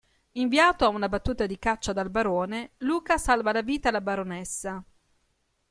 Invitato a una battuta di caccia dal barone, Luca salva la vita alla baronessa.